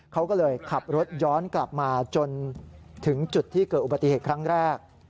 เขาก็เลยขับรถย้อนกลับมาจนถึงจุดที่เกิดอุบัติเหตุครั้งแรก